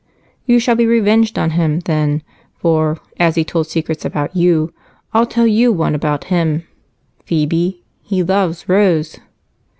"You shall be revenged on him, then, for, as he told secrets about you, I'll tell you one about him. Phebe, he loves Rose!"